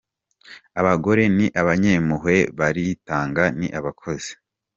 Abagore ni abanyempuhwe, baritanga, ni abakozi.